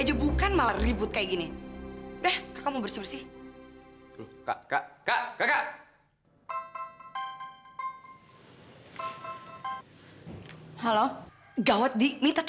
jangan jangan milo tau soal mita